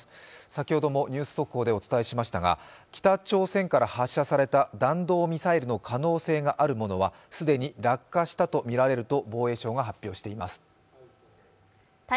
先ほどもニュース速報でお伝えしましたが、北朝鮮から発射された弾道ミサイルの可能性があるものは既に落下したとみられると防衛省が発表しています。